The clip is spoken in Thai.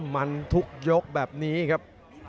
มันทุกยกแบบนี้ครับ